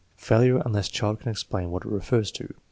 (Failure unless child can explain what it refers to.)